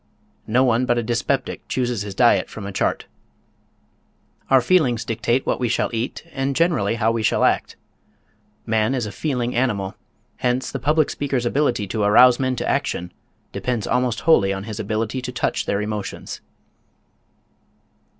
No one but a dyspeptic chooses his diet from a chart. Our feelings dictate what we shall eat and generally how we shall act. Man is a feeling animal, hence the public speaker's ability to arouse men to action depends almost wholly on his ability to touch their emotions.